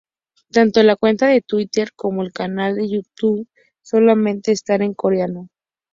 Tanto la cuenta de Twitter como el canal de YouTube solamente están en coreano.